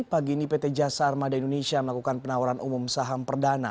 pagi ini pt jasa armada indonesia melakukan penawaran umum saham perdana